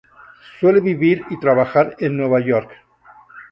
Suele vivir y trabajar en Nueva York.